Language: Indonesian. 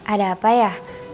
ada apa ya